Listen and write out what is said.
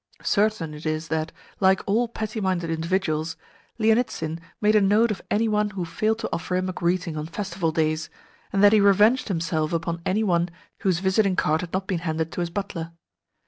Certain it is that, like all petty minded individuals, Lienitsin made a note of any one who failed to offer him a greeting on festival days, and that he revenged himself upon any one whose visiting card had not been handed to his butler.